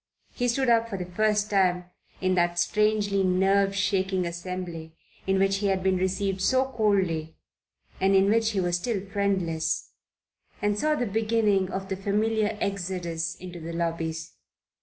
He stood up for the first time in that strangely nerve shaking assembly in which he had been received so coldly and in which he was still friendless, and saw the beginning of the familiar exodus into the lobbies.